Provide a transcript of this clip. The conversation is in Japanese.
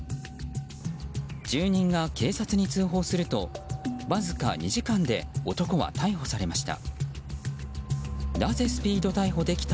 住人が警察に通報するとわずか２時間で男は逮捕されました。